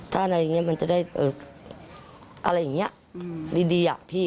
ถ้าอะไรอย่างนี้มันจะได้อะไรอย่างนี้ดีอะพี่